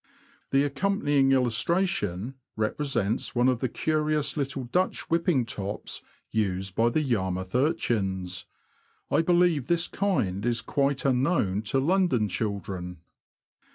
The accompanying illustration repre sents one of the curious Httle Dutch DUTCH WHIPPING whipping tops used by the Yarmouth ^^^' urchins. I believe this kind is quite unknown to London children.